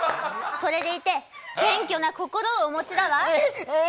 それでいて、謙虚な心をお持ちだわ。